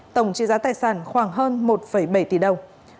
tổng trị giá tài sản khoảng hơn một bảy tỷ đồng